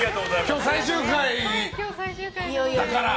今日、最終回だから。